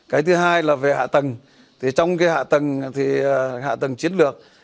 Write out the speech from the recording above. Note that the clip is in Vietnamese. cái thứ hai là về hạ tầng thì trong cái hạ tầng thì hạ tầng chiến lược